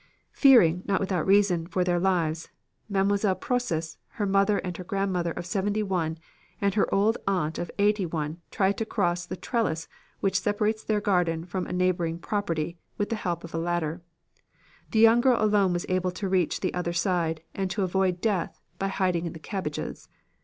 "Fearing, not without reason, for their lives, Mlle. Proces, her mother and her grandmother of seventy one and her old aunt of eighty one, tried to cross the trellis which separates their garden from a neighboring property with the help of a ladder. The young girl alone was able to reach the other side and to avoid death by hiding in the cabbages.